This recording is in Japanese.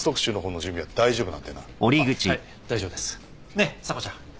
ねっ査子ちゃん。